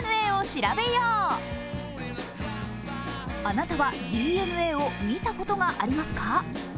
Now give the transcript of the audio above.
あなたはＤＮＡを見たことがありますか？